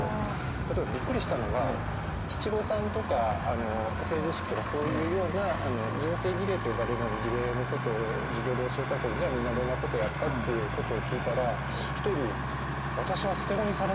例えばびっくりしたのが七五三とか成人式とかそういうような人生儀礼と呼ばれるような儀礼のことを授業で教えたあとにじゃあみんなどんなことやった？っていうことを聞いたら１人「私は捨て子にされました」って言う子がいて。